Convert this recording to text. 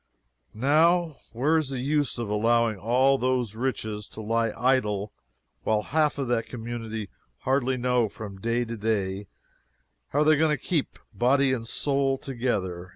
Now, where is the use of allowing all those riches to lie idle, while half of that community hardly know, from day to day, how they are going to keep body and soul together?